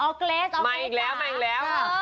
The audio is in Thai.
ออร์เกรชออร์โคตรมาอีกแล้วจิ๊ว